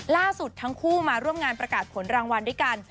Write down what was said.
ล่าสุดทั้งคู่มาร่วมงานประกาศผลรางวัลด้วยกัน